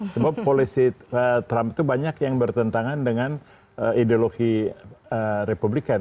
sebab polisi trump itu banyak yang bertentangan dengan ideologi republikan